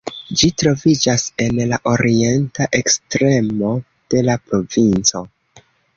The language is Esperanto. Ĝi troviĝas en la orienta ekstremo de la provinco.